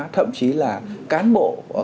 thậm chí là cán bộ